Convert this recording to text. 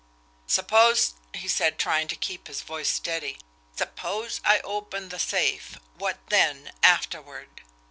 "Suppose," he said, trying to keep his voice steady, "suppose I open the safe what then afterward?"